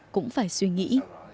cũng phải suy nghĩ